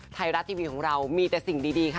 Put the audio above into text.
ไทยรัฐทีวีของเรามีแต่สิ่งดีค่ะ